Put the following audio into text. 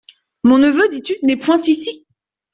Mon neveu, dis-tu, n’est point ici ?